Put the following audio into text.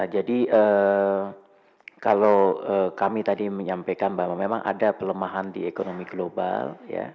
jadi kalau kami tadi menyampaikan bahwa memang ada pelemahan di ekonomi global